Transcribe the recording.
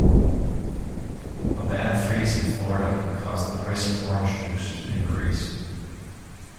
A bad freeze in Florida can cause the price of orange juice to increase.